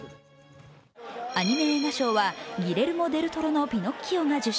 アニメ映画賞は「ギレルモ・デル・トロのピノッキオ」が受賞。